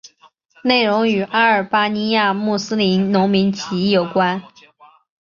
内容与阿尔巴尼亚穆斯林农民起义有关。